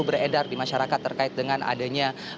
beredar di masyarakat terkait dengan adanya